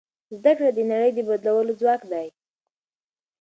زده کړه د نړۍ د بدلولو ځواک دی.